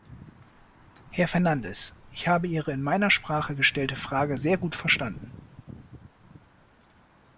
Herr Fernandes, ich habe Ihre in meiner Sprache gestellte Frage sehr gut verstanden.